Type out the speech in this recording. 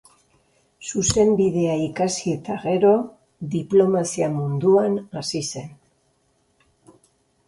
Zuzenbidea ikasi eta gero, diplomazia munduan hasi zen.